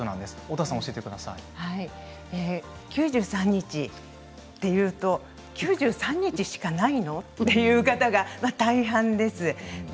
９３日というと９３日しかないの？という方が大半です。